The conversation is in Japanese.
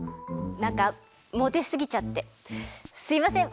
なんかモテすぎちゃってすいません！